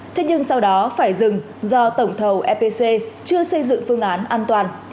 thế nhưng sau đó phải dừng do tổng thầu epc chưa xây dựng phương án an toàn